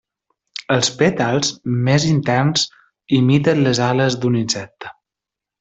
Els pètals més interns imiten les ales d'un insecte.